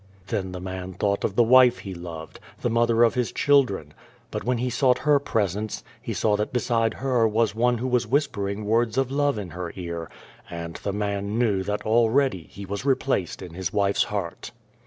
Then the man thought of the wife he loved, 27 The Dream of the Dead Folk the mother of his children ; but when he sought her presence, he saw that beside her was one who was whispering words of love in her ear, and the man knew that already he was replaced in his wife's heart.